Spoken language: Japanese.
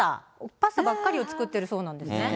パスタばっかり作ってるそうなんですね。